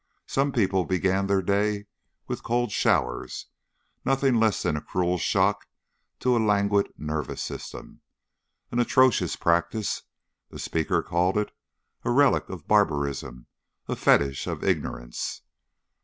Some people began their days with cold showers nothing less than a cruel shock to a languid nervous system. An atrocious practice, the speaker called it a relic of barbarism a fetish of ignorance.